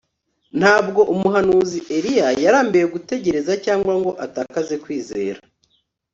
Ntabwo umuhanuzi Eliya yarambiwe gutegereza cyangwa ngo atakaze kwizera